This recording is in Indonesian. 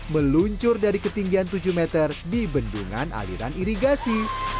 meluncur dari ketinggian tujuh meter di bendungan aliran irigasi